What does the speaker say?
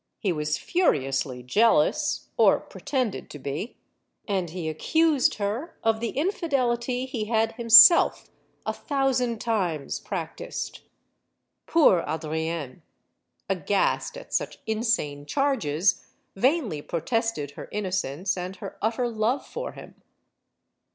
He was furiously jealous or pretended to be. And he accused her of the infidelity he had himself a thousand times practiced. Poor Adrienne, aghast at such insane charges, ADRIENNE LECOUVREUR 129 vainly protested her innocence and her utter love for him.